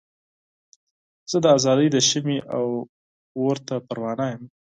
زه د ازادۍ د شمعې اور ته پروانه یمه.